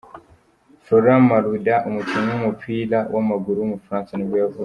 Florent Malouda, umukinnyi w’umupira w’amaguru w’umufaransa nibwo yavutse.